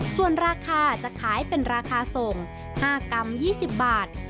ส่วนราคาจะขายเป็นราคาส่ง๕กรัม๒๐บาท